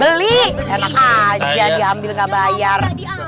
beli enak aja diambil gak bayar